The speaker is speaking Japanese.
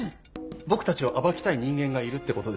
僕たちを暴きたい人間がいるってことです。